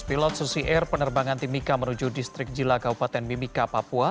pilot susi air penerbangan timika menuju distrik jila kabupaten mimika papua